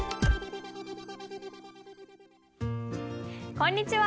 こんにちは。